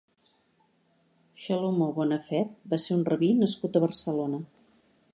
Xelomó Bonafed va ser un rabí nascut a Barcelona.